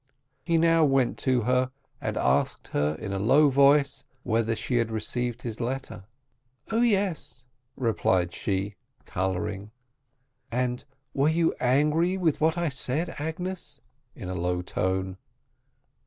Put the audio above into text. He now went to her, and asked her, in a low voice, "whether she had received his letter?" "Oh, yes!" replied she, colouring. "And were you angry with what I said, Agnes?" in a low tone.